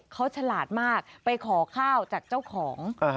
เขาฉลาดมากไปขอข้าวจากเจ้าของ